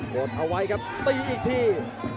ดเอาไว้ครับตีอีกที